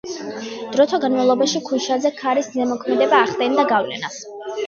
დროთა განმავლობაში ქვიშაზე ქარის ზემოქმედება ახდენდა გავლენას.